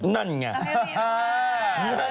นั่นไง